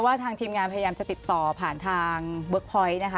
ทางทีมงานพยายามจะติดต่อผ่านทางเวิร์กพอยต์นะคะ